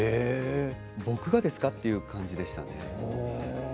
僕がですか？という感じでしたね。